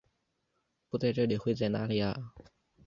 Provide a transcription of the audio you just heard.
不在这里会在哪里啊？